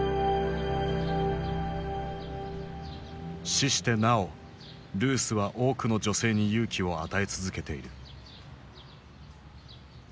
死してなおルースは多くの女性に勇気を与え続けている。